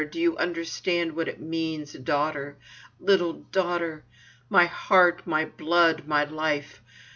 Do you understand what it means, daughter! Little daughter! My heart! my blood, my life!